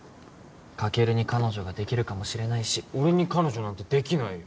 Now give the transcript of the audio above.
カケルに彼女ができるかもしれないし俺に彼女なんてできないよ